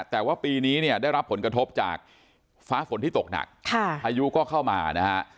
แต่ว่าปีนี้เนี่ยได้รับผลกระทบจากฟ้าฝนที่ตกหนักพายุก็เข้ามานะฮะ